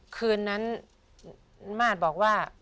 คืนนั้นมาตรบอกว่า